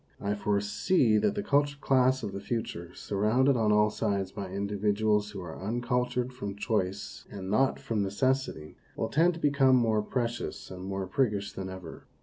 I foresee that the cultured class of the future, surrounded on all sides by individuals who are uncultured from choice and not from necessity, will tend to become more precious and more priggish than ever.